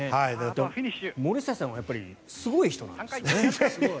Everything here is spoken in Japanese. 森末さんもすごい人なんですね。